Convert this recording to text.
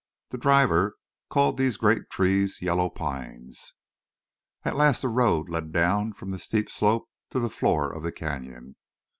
The driver called these great trees yellow pines. At last the road led down from the steep slope to the floor of the canyon.